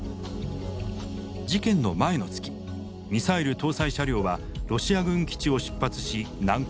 事件の前の月ミサイル搭載車両はロシア軍基地を出発し南下。